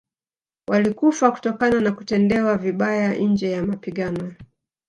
Walikufa kutokana na kutendewa vibaya nje ya mapigano